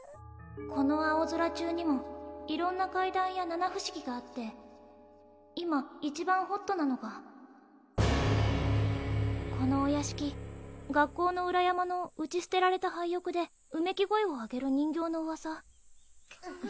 このあおぞら中にも色んな怪談や七不思議があって今一番ホットなのがこのお屋敷学校の裏山のうちすてられた廃屋でうめき声をあげる人形のうわさ